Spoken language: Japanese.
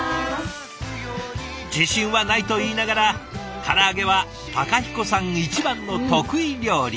自信はないと言いながらから揚げは彦さん一番の得意料理。